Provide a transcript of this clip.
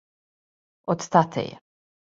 Од тате је.